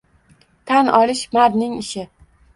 Tan olish – mardning ishi!